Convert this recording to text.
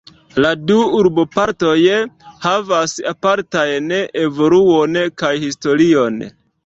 La du urbopartoj havas apartajn evoluon kaj historion.